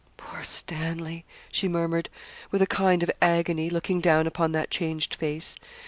'Poor Stanley!' she murmured, with a kind of agony, looking down upon that changed face.